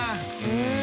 うん。